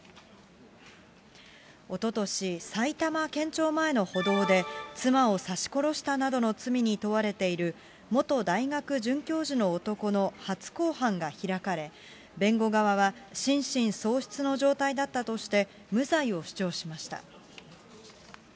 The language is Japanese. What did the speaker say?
おととし、埼玉県庁前の歩道で、妻を刺し殺したなどの罪に問われている、元大学准教授の男の初公判が開かれ、弁護側は心神喪失の状態だったとして、無罪を主張しました。